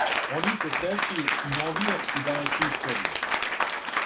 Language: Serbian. Они се сећају и новије и далеке историје.